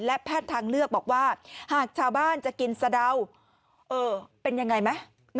และแพทย์ทางเลือกบอกว่าหากชาวบ้านจะกินสะเดาเป็นยังไงไหม